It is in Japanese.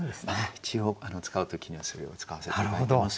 一応使う時にはそれを使わせて頂いてます。